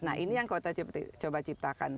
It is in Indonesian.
nah ini yang kota coba ciptakan